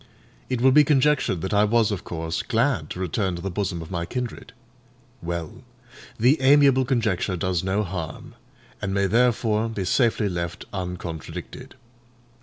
It will be conjectured that I was of course glad to return to the bosom of my kindred. Well! the amiable conjecture does no harm, and may therefore be safely left uncontradicted.